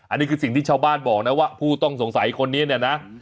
อันนี้คือสิ่งที่ชาวบ้านบอกนะว่าผู้ต้องสงสัยคนนี้เนี่ยนะ